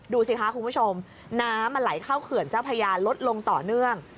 ดูสิคะคุณผู้ชมน้ำมันไหลเข้าเขื่อนเจ้าพญาลดลงต่อเนื่อง